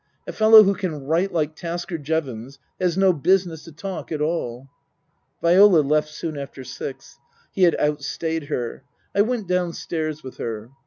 A fellow who can write like Tasker Jevons has no business to talk at all. Viola left soon after six. He had outstayed her. I went downstairs with her.